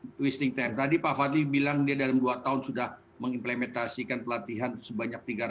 untuk wasting time tadi pak fadli bilang dia dalam dua tahun sudah mengimplementasikan pelatihan sebanyak tiga ratus